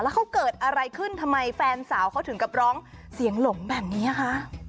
เขาเกิดอะไรขึ้นทำไมแฟนสาวเขาถึงกับร้องเสียงหลงแบบนี้คะ